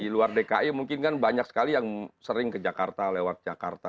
di luar dki mungkin kan banyak sekali yang sering ke jakarta lewat jakarta